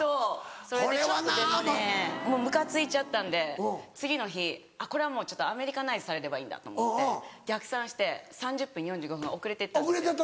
それでちょっとでもねもうムカついちゃったんで次の日「これはアメリカナイズされればいいんだ」と思って逆算して３０分４５分遅れて行ったんです。